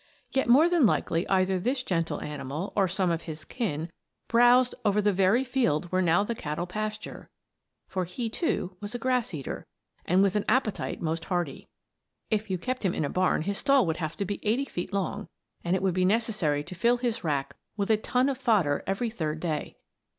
Yet more than likely either this gentle animal, or some of his kin, browsed over the very field where now the cattle pasture, for he, too, was a grass eater, and with an appetite most hearty. If you kept him in a barn his stall would have to be eighty feet long, and it would be necessary to fill his rack with a ton of fodder every third day.